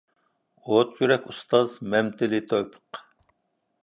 ئوت يۈرەك ئۇستاز مەمتىلى تەۋپىق.